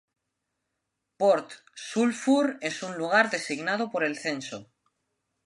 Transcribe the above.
Port Sulphur es un lugar designado por el censo.